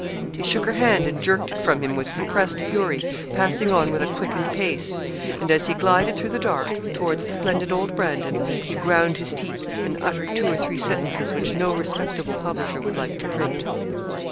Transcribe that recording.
He shook her hand, and jerked it from him with suppressed fury, passing on with a quickened pace. And as he glided through the dark, towards splendid old Brandon, he ground his teeth, and uttered two or three sentences which no respectable publisher would like to print.